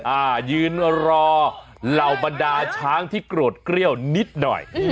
อ่ายืนรอเหล่าบรรดาช้างที่โกรธเกรี้ยวนิดหน่อย